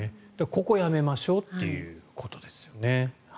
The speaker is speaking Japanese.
ここをやめましょうということですね。